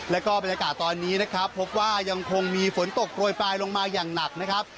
แล้วก็บรรยากาศตอนนี้นะครับพบว่ายังคงมีฝนตกโปรยปลายลงมาอย่างหนักนะครับ